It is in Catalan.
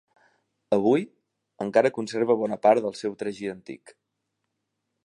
Avui, encara conserva bona part del seu tragí antic.